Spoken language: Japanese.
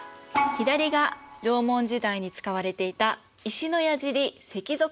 左が縄文時代に使われていた石のやじり石鏃。